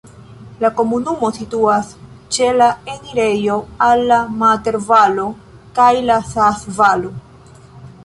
La komunumo situas ĉe la enirejo al la Mater-Valo kaj la Saas-Valo.